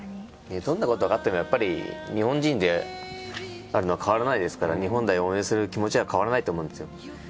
どんなことがあってもやっぱり日本人であるのは変わらないですから日本代表を応援する気持ちは変わらないと思うんですよ。